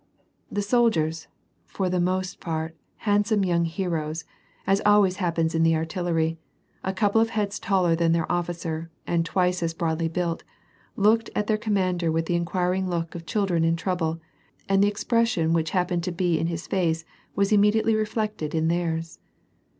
The soldiers, for the most part, handsome young heroes, — as always happens in the artillery, a couple of heads taller than their officer, and twice as broadly built, — looked at their com mander mth the inquiring look of children in trouble, and the expression which happened to be in his face was immediately reflected in theirs.